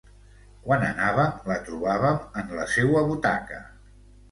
Quan anàvem la trobàvem en la seua butaca.